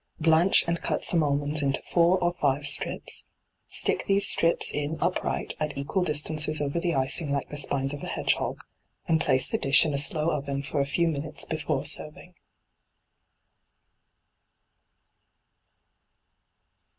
Blanch and cut some almonds into four or five strips, stick these strips in upright at equal distances over the icing like the spines of a hedgehog, and place the dish in a slow oven for a few minutes before serving.